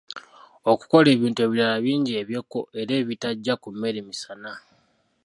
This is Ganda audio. Okukola ebintu ebirala bingi eby'ekko era ebitajja ku mmere misana.